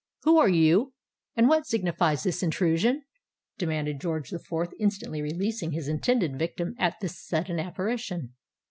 "Who are you? and what signifies this intrusion?" demanded George the Fourth, instantly releasing his intended victim at this sudden apparition.